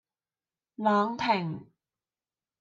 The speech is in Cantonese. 朗廷